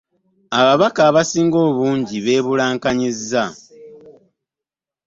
Ababaka abasinga obungi beebulankanyizza.